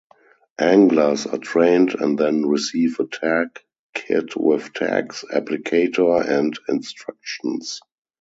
Anglers are trained and then receive a tag kit with tags, applicator, and instructions.